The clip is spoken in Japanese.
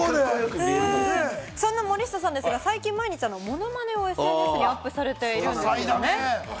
そんな森下さんですが、毎日、ものまねをＳＮＳにアップされてるそうですね。